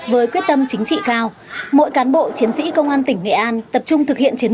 với quyết tâm chính trị cao mỗi cán bộ chiến sĩ công an tỉnh nghệ an tập trung thực hiện chiến